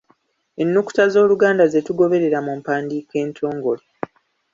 Ennukuta Z’Oluganda ze tugoberera mu mpandiika entongole.